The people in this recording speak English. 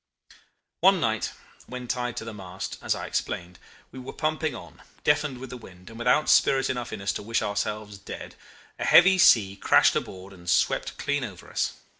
"One night when tied to the mast, as I explained, we were pumping on, deafened with the wind, and without spirit enough in us to wish ourselves dead, a heavy sea crashed aboard and swept clean over us.